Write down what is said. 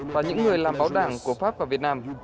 và những người làm báo đảng của pháp và việt nam